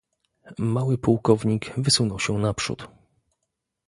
"Mały pułkownik wysunął się naprzód."